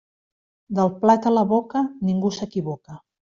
Del plat a la boca, ningú s'equivoca.